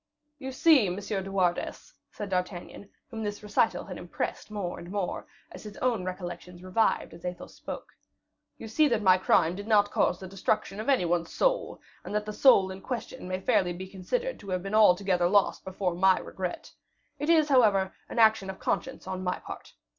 "You see, M. de Wardes," said D'Artagnan, whom this recital had impressed more and more, as his own recollection revived as Athos spoke, "you see that my crime did not cause the destruction of any one's soul, and that the soul in question may fairly be considered to have been altogether lost before my regret. It is, however, an act of conscience on my part.